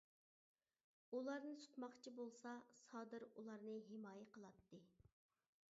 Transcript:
ئۇلارنى تۇتماقچى بولسا، سادىر ئۇلارنى ھىمايە قىلاتتى.